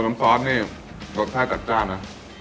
กลิ่นซอสนี่รสชาติจัดนะ